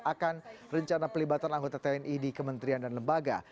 akan rencana pelibatan anggota tni di kementerian dan lembaga